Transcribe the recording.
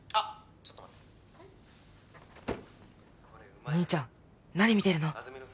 ちょっと待って兄ちゃん何見てるの？